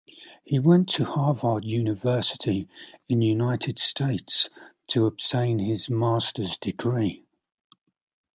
He went to Harvard University in United States to obtain his master's degree.